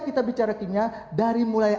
kita bicara kimia dari mulai